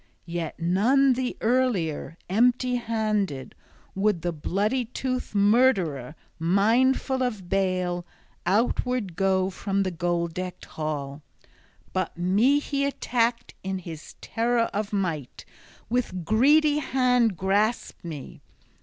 Yet none the earlier, empty handed, would the bloody toothed murderer, mindful of bale, outward go from the gold decked hall: but me he attacked in his terror of might, with greedy hand grasped me.